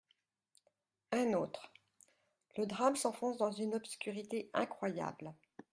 Un autre :« Le drame s’enfonce dans une obscurité incroyable.